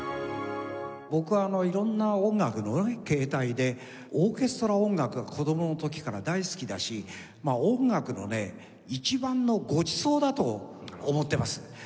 僕は色んな音楽のね形態でオーケストラ音楽が子どもの時から大好きだし音楽のね一番のごちそうだと思ってます。